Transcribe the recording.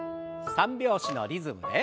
３拍子のリズムで。